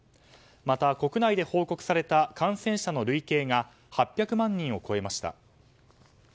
また、国内で報告された感染者の累計が８００万人を超えました。